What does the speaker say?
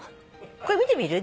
これ見てみる？